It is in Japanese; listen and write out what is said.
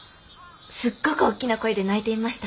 すっごく大きな声で泣いていました。